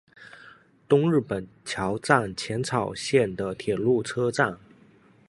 东日本桥站浅草线的铁路车站。